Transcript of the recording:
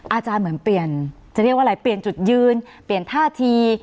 อาจารย์เหมือนเปลี่ยนจะเรียกว่าอะไรเปลี่ยนจุดยืนเปลี่ยนท่าที